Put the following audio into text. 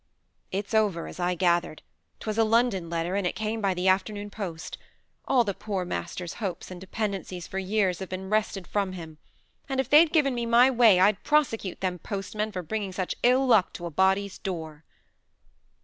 "It's over, as I gathered. 'Twas a London letter, and it came by the afternoon post. All the poor master's hopes and dependencies for years have been wrested from him. And if they'd give me my way, I'd prosecute them postmen for bringing such ill luck to a body's door."